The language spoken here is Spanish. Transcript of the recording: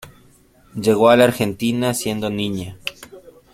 Llegó a la Argentina siendo niña.